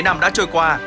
bảy mươi năm đã trôi qua